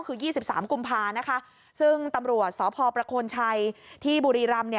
คือ๒๓กุมภานะคะซึ่งตำรวจสพชที่บุรีรำ